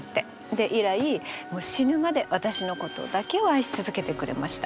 で以来もう死ぬまで私のことだけを愛し続けてくれました。